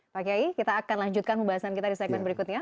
pak kiai kita akan lanjutkan pembahasan kita di segmen berikutnya